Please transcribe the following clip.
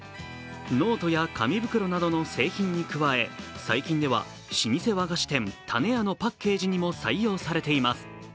ノートや紙袋などの製品に加え最近では老舗和菓子店たねやのパッケージにも採用されています。